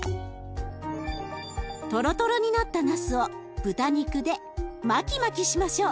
トロトロになったなすを豚肉で巻き巻きしましょう。